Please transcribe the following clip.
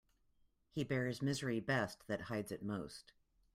He bears misery best that hides it most.